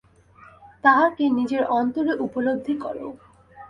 তাঁহাকে নিজের অন্তরে উপলব্ধি কর।